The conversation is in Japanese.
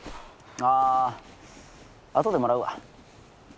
あ後でもらうわ。